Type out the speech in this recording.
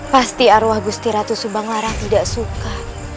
pasti arwah gusti ratu subang lara tidak suka